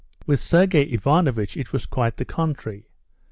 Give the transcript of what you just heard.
With Sergey Ivanovitch it was quite the contrary.